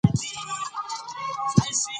قومونه د افغانستان د طبیعت برخه ده.